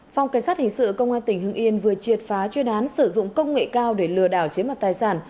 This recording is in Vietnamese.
phòng cảnh sát hình sự công an tỉnh hưng yên vừa triệt phá chuyên án sử dụng công nghệ cao để lừa đảo chiếm mặt tài sản